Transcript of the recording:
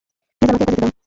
Please আমাকে একা যেতে দাও!